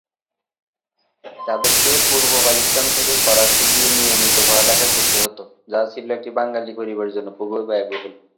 তাদেরকে পূর্ব পাকিস্তান থেকে করাচি গিয়ে নিয়মিত পড়ালেখা করতে হতো, যা ছিল একটি বাঙ্গালি পরিবারে জন্য খুবই ব্যয়বহুল।